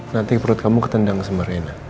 nanti perut kamu ketendang sebenarnya